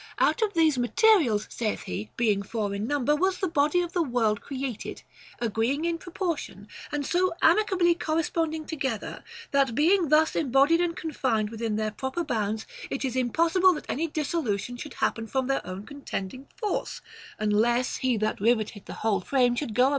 Out of these mate rials, saith he, being four in number, was the body of the world created, agreeing in proportion, and so amicably cor responding together, that being thus embodied and con fined within their proper bounds, it is impossible that any dissolution should happen from their own contending force, unless he that riveted the whole frame should <ro about ο vol.